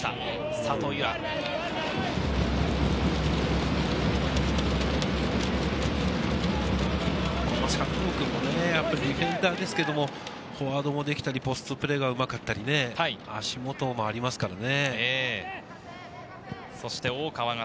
佐藤君もディフェンダーですけれども、フォワードもできたり、ポストプレーがうまかったり、足元にも止まりますからね。